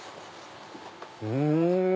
うん！